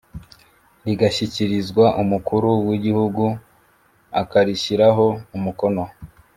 rigashyikirizwa Umukuru w’Igihugu akarishyiraho Umukono